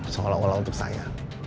seolah olah untuk saya